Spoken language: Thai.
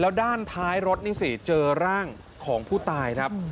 แล้วด้านท้ายรถนี่สิเจอร่างของผู้ตายครับ